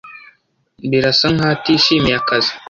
Birasa nkaho atishimiye akazi.